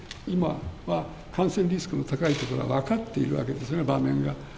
今は感染リスクの高い所が分かっているわけですね、場面が。